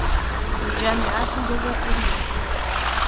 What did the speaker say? الجامعات الجزائرية